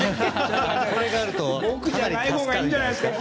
これがあると助かるんじゃないですか。